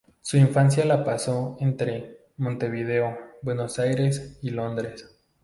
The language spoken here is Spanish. Su infancia la pasó entre Montevideo, Buenos Aires y Londres.